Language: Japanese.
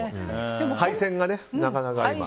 配線が、なかなか。